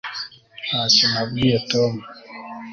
ntacyo nabwiye tom